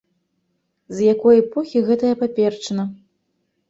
З якой эпохі гэтая паперчына?